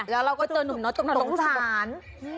แล้วเราก็เจอนุ่มน้อยตกน้อยตกน้องสุขสงสาร